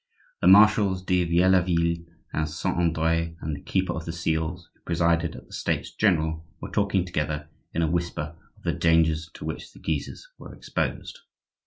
The marshals de Vieilleville and Saint Andre and the keeper of the seals, who presided at the States general, were talking together in a whisper of the dangers to which the Guises were exposed.